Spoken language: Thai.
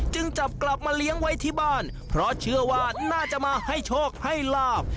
จึงจับกลับมาเลี้ยงไว้ที่บ้านเพราะเชื่อว่าน่าจะมาให้โชคให้ลาบ